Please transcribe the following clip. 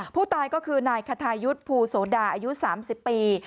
ผู้ตายก็คือนายคทายุทธ์ภูโสดาอายุ๓๐ปี